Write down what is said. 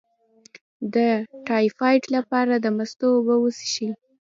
د ټایفایډ لپاره د مستو اوبه وڅښئ